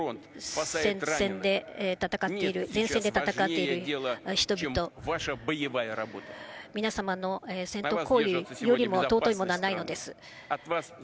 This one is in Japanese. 前線で戦っている人々、皆様の戦闘行為よりも尊いものはないのです。